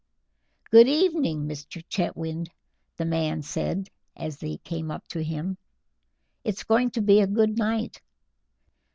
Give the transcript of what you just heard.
"Good evening, Mr. Chetwynd," the man said as they came up to him. "It's going to be a good night.